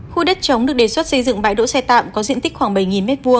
khu đất trống được đề xuất xây dựng bãi đổi xe tạm có diện tích khoảng bảy m hai